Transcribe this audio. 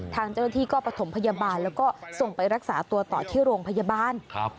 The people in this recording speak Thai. ทางเจ้าหน้าที่ก็ประถมพยาบาลแล้วก็ส่งไปรักษาตัวต่อที่โรงพยาบาล